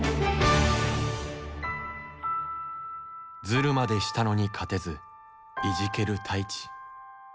ズルまでしたのにかてずいじける太一。